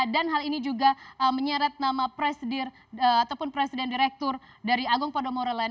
dan hal ini juga menyeret nama presidir ataupun presiden direktur dari agung podomoro land